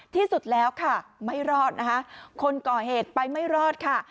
ที่สุดแล้วค่ะไม่รอดนะคะคนก่อเหตุไปไม่รอดค่ะ